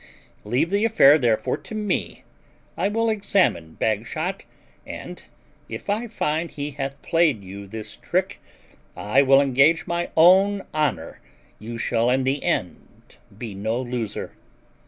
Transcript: Leave the affair therefore to me; I will examine Bagshot, and, if I find he hath played you this trick, I will engage my own honour you shall in the end be no loser."